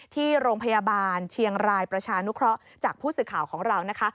ที่โรงพยาบาลเชียงรายประชานุเคราะห์จากผู้สื่อข่าวของเรานะคะ